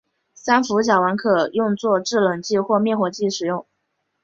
三氟甲烷可用作制冷剂或灭火剂使用。